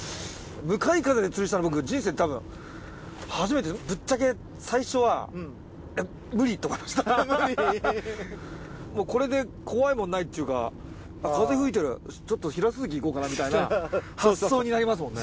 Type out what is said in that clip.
向かい風で釣りしたの僕人生でたぶん初めてぶっちゃけ最初は無理と思いました無理これで怖いもんないっちゅうか風吹いてるちょっとヒラスズキいこうかなみたいな発想になりますもんね